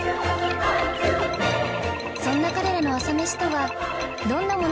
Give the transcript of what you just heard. そんな彼らの朝メシとはどんなものなのでしょうか？